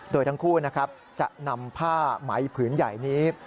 โดยทั้งคู่นะครับจะนำผ้าไหมผืนใหญ่นี้